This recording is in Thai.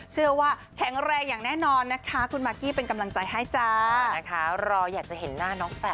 ชื่อจริงยังไม่บอกดีกว่า